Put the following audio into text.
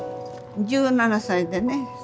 １７歳でね